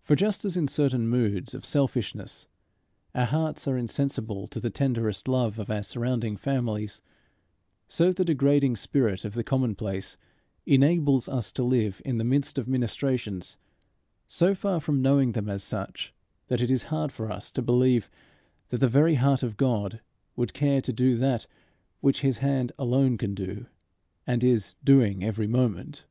For just as in certain moods of selfishness our hearts are insensible to the tenderest love of our surrounding families, so the degrading spirit of the commonplace enables us to live in the midst of ministrations, so far from knowing them as such, that it is hard for us to believe that the very heart of God would care to do that which his hand alone can do and is doing every moment.